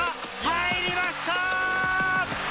入りました！